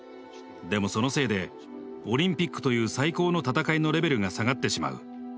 でもそのせいでオリンピックという最高の戦いのレベルが下がってしまう。